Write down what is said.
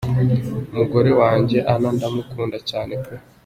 Umugore wanjye , Anna ndamukunda cyane pe.